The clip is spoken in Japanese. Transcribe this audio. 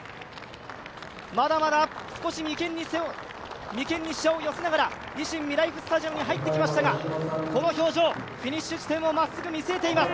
まだまだ少し眉間にしわを寄せながら維新みらいふスタジアムに入ってきましたがこの表情、フィニッシュ地点をまっすぐ見据えています。